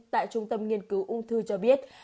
tại trung tâm nghiên cứu ung thư cho biết